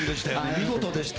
見事でした。